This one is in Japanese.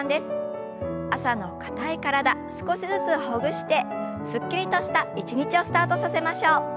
朝の硬い体少しずつほぐしてすっきりとした一日をスタートさせましょう。